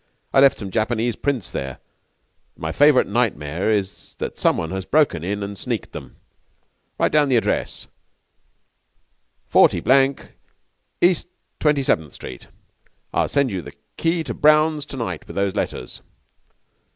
I left some Japanese prints there, and my favourite nightmare is that someone has broken in and sneaked them. Write down the address Forty three East Twenty seventh Street. I'll send you the key to Brown's to night with those letters.'